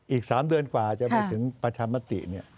อีก๓เดือนกว่าจะไปถึงปัชธรรมติ